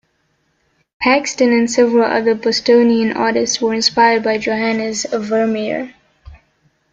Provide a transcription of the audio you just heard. Paxton and several other Bostonian artists were inspired by Johannes Vermeer.